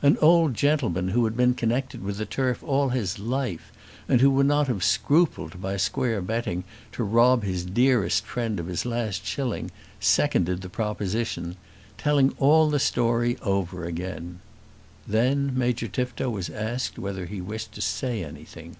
An old gentleman who had been connected with the turf all his life, and who would not have scrupled, by square betting, to rob his dearest friend of his last shilling, seconded the proposition, telling all the story over again. Then Major Tifto was asked whether he wished to say anything.